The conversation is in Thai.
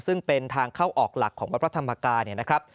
ซึ่งเป็นทางเข้าออกหลักของวัดพระธรรมกายเนี่ยนะครับ